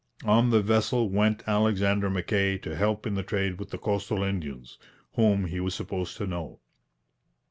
On the vessel went Alexander Mackay to help in the trade with the coastal Indians, whom he was supposed to know.